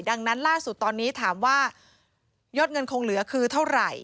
ดังนั้นล่าสุดตอนนี้ถามว่ายอดเงินคงเหลือคือเท่าไหร่